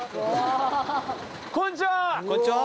こんにちは！